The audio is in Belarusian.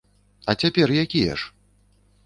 А цяпер якія ж?